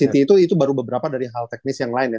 city itu baru beberapa dari hal teknis yang lain ya